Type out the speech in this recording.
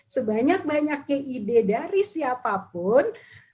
sebanyak banyaknya ide dari siapapun